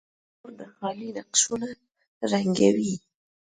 زما خور د غالۍ نقشونه رنګوي.